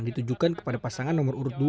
ditujukan kepada pasangan nomor urut dua